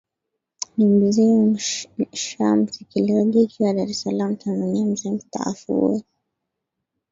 ni mzee shaa msikilizaji akiwa dar es salam tanzania mzee mstaafu huyu